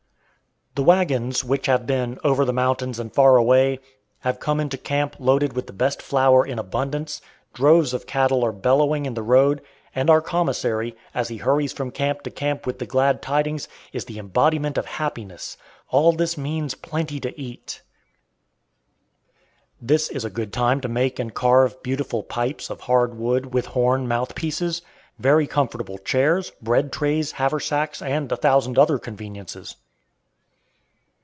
The wagons, which have been "over the mountains and far away," have come into camp loaded with the best flour in abundance; droves of cattle are bellowing in the road, and our commissary, as he hurries from camp to camp with the glad tidings, is the embodiment of happiness. All this means plenty to eat. This is a good time to make and carve beautiful pipes of hard wood with horn mouth pieces, very comfortable chairs, bread trays, haversacks, and a thousand other conveniences.